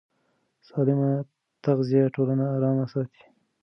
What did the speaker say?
سالمه تغذیه ټولنه ارامه ساتي.